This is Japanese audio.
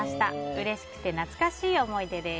うれしくて懐かしい思い出です。